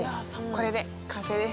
これで完成です。